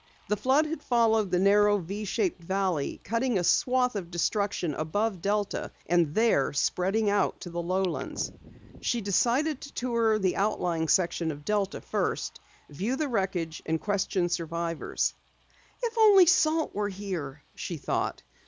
The flood had followed the narrow V shaped valley, cutting a swath of destruction above Delta, and there spreading out to the lowlands. She decided to tour the outlying section of Delta first, view the wreckage and question survivors. "If only Salt were here!" she thought.